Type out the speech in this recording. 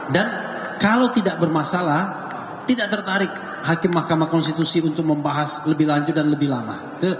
kalau tidak bermasalah tidak tertarik hakim mahkamah konstitusi untuk membahas lebih lanjut dan lebih lama